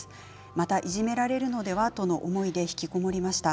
また、いじめられるのではという思いでひきこもりました。